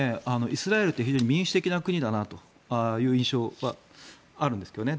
イスラエルって非常に民主的な国だなという印象はあるんですけどね。